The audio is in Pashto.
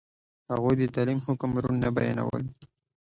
هغوی د تعلیم حکم روڼ نه بیانولو.